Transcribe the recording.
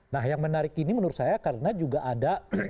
nah yang menarik ini menurut saya karena juga ada